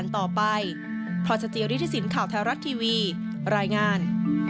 แต่ส่วนใหญ่